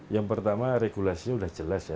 yang pertama regulasinya sudah jelas ya